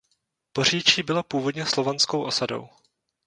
Poříčí bylo původně slovanskou osadou.